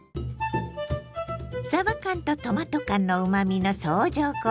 さば缶とトマト缶のうまみの相乗効果が最強！